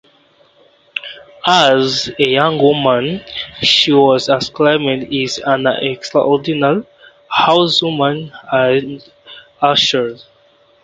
As a young woman, she was acclaimed as an extraordinary horsewoman and archer.